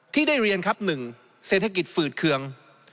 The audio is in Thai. ที่ได้เรียนครับ๑เศรษฐกิจฝืดเคือง